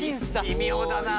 微妙だな。